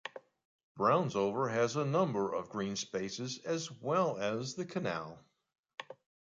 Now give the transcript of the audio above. Brownsover has a number of green spaces as well as the canal.